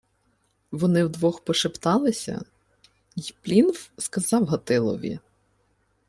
Вони вдвох пошепталися, й Плінф сказав Гатилові: